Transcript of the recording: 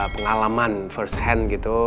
pengalaman first hand gitu